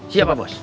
siap pak bos